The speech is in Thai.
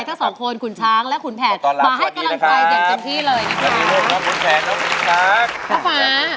งั้นหยุดเล่นเลยดีกว่า